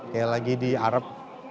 kayak lagi di arab